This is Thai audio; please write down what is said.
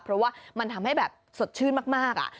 เพราะว่ามันทำให้แบบสดชื่นมาก